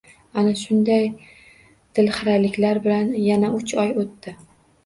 Ana shunday dilhiraliklar bilan yana uch oy o`tdi